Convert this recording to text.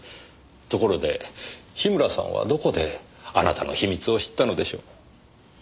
ところで樋村さんはどこであなたの秘密を知ったのでしょう？